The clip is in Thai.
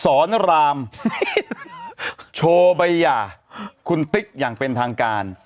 สอนรามโชว์ใบหย่าคุณติ๊กอย่างเป็นทางการ